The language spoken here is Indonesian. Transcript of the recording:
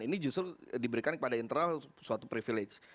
ini justru diberikan kepada internal suatu privilege